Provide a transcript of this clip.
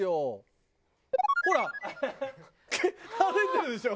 ほら歩いてるでしょ。